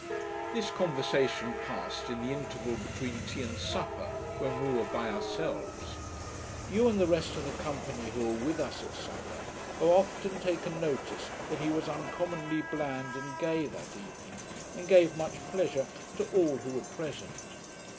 This conversation passed in the interval between tea and supper, when we were by ourselves. You, and the rest of the company who were with us at supper, have often taken notice that he was uncommonly bland and gay that evening, and gave much pleasure to all who were present.